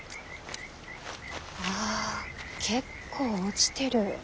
ああ結構落ちてる。